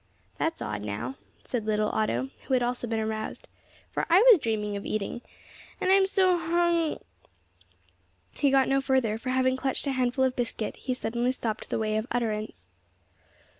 "That's odd, now," said little Otto, who had also been aroused, "for I was dreaming of eating! And I am so hung " He got no further, for, having clutched a handful of biscuit, he suddenly stopped the way of utterance.